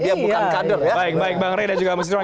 dia bukan kader